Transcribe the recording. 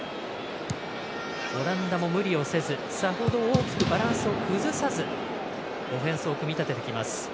オランダも無理をせずさほど大きくバランスを崩さず、オフェンスを組み立ててきます。